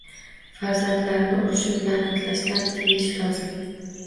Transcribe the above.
Farzandlarni urishib la'natlashdan tiyilishi lozim.